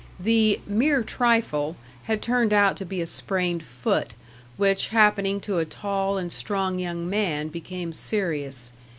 The "mere trifle" had turned out to be a sprained foot, which happening to a tall and strong young man became serious.